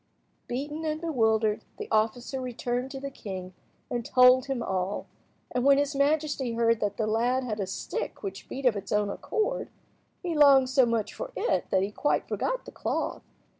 Beaten and bewildered, the officer returned to the king and told him all, and when his majesty heard that the lad had a stick which beat of its own accord, he longed so much for it that he quite forgot the cloth.